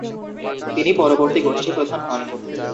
তিনি পরবর্তী গোষ্ঠী প্রধান হন।